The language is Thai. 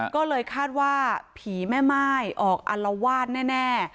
ก็เลยคาดว่าผีแม่ไม้ออกอัลลวาดแน่